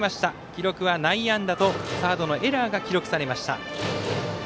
記録は内野安打とサードのエラーが記録されました。